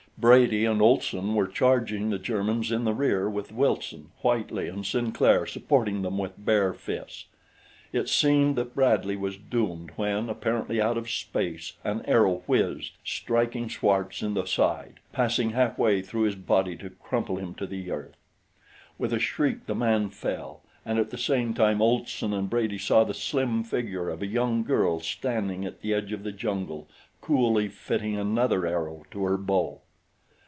Brady and Olson were charging the Germans in the rear with Wilson, Whitely, and Sinclair supporting them with bare fists. It seemed that Bradley was doomed when, apparently out of space, an arrow whizzed, striking Schwartz in the side, passing half way through his body to crumple him to earth. With a shriek the man fell, and at the same time Olson and Brady saw the slim figure of a young girl standing at the edge of the jungle coolly fitting another arrow to her bow.